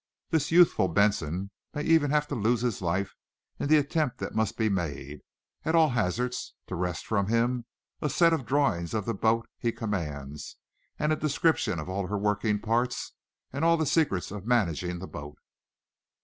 This youthful Benson may even have to lose his life in the attempt that must be made, at all hazards, to wrest from him a set of drawings of the boat he commands, and a description of all her working parts, and all the secrets of managing the boat!"